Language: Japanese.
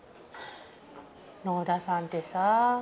野田さんってさ